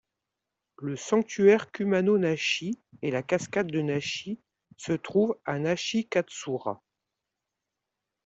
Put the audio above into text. Le sanctuaire Kumano Nachi et la cascade de Nachi se trouvent à Nachikatsuura.